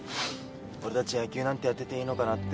俺たち野球なんてやってていいのかなって。